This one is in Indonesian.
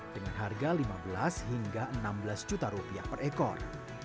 dengan harga lima belas hingga enam belas juta rupiah per ekor